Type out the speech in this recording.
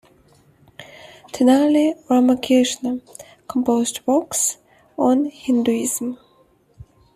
Tenali Ramakrishna composed works on Hinduism.